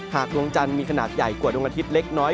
ดวงจันทร์มีขนาดใหญ่กว่าดวงอาทิตย์เล็กน้อย